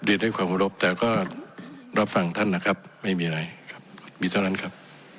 ด้วยความเคารพแต่ก็รับฟังท่านนะครับไม่มีอะไรครับมีเท่านั้นครับ